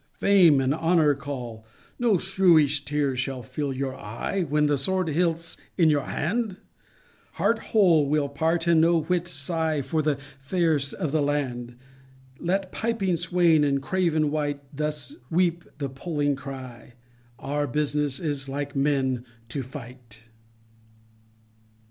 Fame and Honor call No shrewish teares shall fill your eye When the sword hilt's in our hand,— Heart whole we'll part, and no whit sighe For the fayrest of the land; Let piping swaine, and craven wight, Thus weepe and poling crye, Our business is like men to fight.